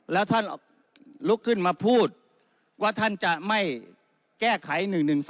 แล้วท่านลุกขึ้นมาพูดว่าท่านจะไม่แก้ไข๑๑๒